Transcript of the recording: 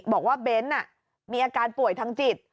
บอกว่าเบ้นมีอาการป่วยทางจิต